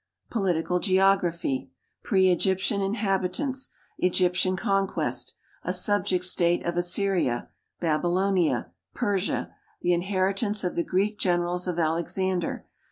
Political geography: Pre P]gyptian inhabitants. Egyptian conquest. A subject state of Assyria, Babylonia, Persia. The inheritance of the Greek generals of Alexander.